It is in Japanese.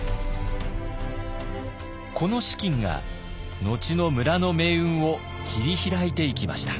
この資金が後の村の命運を切り開いていきました。